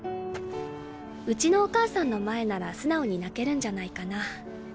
うちのお母さんの前なら素直に泣けるんじゃないかな。